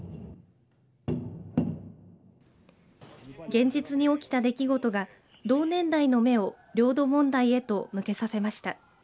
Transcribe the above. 現実に起きた出来事が同年代の目を領土問題へと向けさせました。